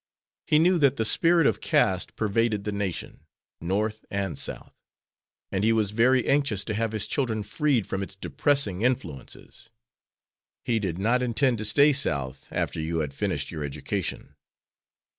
He knew that the spirit of caste pervaded the nation, North and South, and he was very anxious to have his children freed from its depressing influences. He did not intend to stay South after you had finished your education."